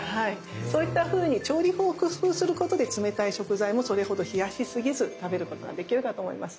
そういったふうに調理法を工夫することで冷たい食材もそれほど冷やしすぎず食べることができるかと思います。